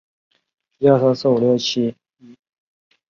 他是段廉义侄儿。